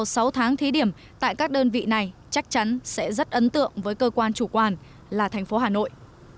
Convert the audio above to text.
sau sáu tháng thí điểm tại các đơn vị này chắc chắn sẽ rất ấn tượng với cơ quan chủ quản là thành phố hà nội